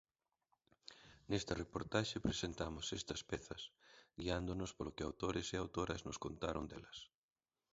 Nesta reportaxe presentamos estas pezas, guiándonos polo que autores e autoras nos contaron delas.